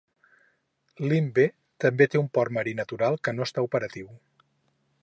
Limbe també té un port marí natural que no està operatiu.